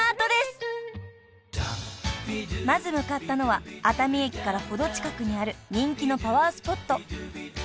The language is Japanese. ［まず向かったのは熱海駅から程近くにある人気のパワースポット］